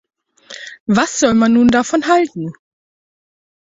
Was soll man nun davon halten?